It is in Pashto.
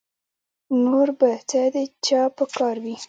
نور به څه د چا په کار وي